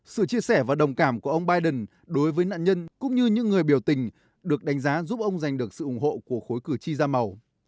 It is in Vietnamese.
sự chia sẻ và đồng cảm của ông biden đối với nạn nhân cũng như những người biểu tình được đánh giá giúp ông giành được sự ủng hộ của khối cử tri da màu